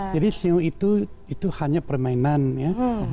jadi xiong itu hanya permainan ya